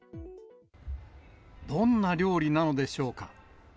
どんな料理なのでしょうか。